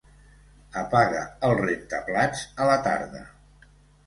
Apaga el rentaplats a la tarda.